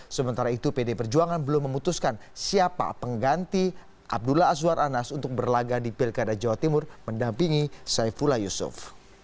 sementara itu pd perjuangan belum memutuskan siapa pengganti abdullah azwar anas untuk berlaga di pilkada jawa timur mendampingi saifullah yusuf